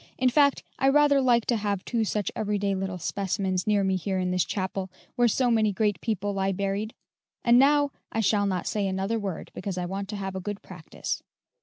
"In fact, I rather like to have two such every day little specimens near me here in this chapel, where so many great people lie buried; and now I shall not say another word, because I want to have a good practice."